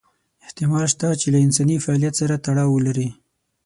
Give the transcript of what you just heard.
احتمال شته چې له انساني فعالیت سره تړاو ولري.